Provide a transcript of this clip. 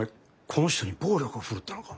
この人に暴力を振るったのか？